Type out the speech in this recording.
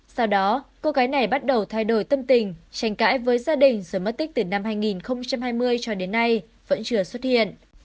sau đó cô gái này bắt đầu thay đổi tâm tình tranh cãi với gia đình rồi mất tích từ năm hai nghìn hai mươi cho đến nay vẫn chưa xuất hiện